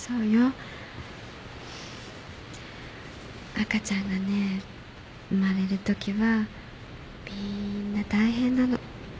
赤ちゃんがね生まれるときはみんな大変なの。